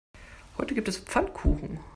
Heute gibt es Pfannkuchen.